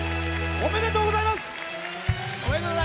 おめでとうございます！